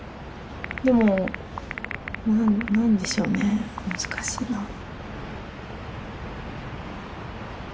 でも何でしょうね難しいなぁ。